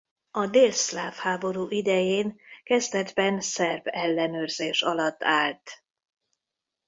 A délszláv háború idején kezdetben szerb ellenőrzés alatt állt.